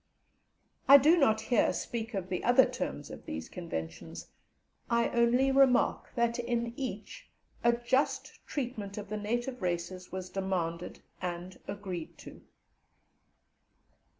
I do not here speak of the other terms of these Conventions, I only remark that in each a just treatment of the native races was demanded and agreed to.